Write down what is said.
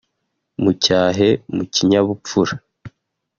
mu cyahe mu kinyabupfura